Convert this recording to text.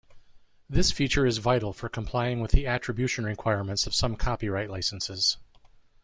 This feature is vital for complying with the attribution requirements of some copyright licenses.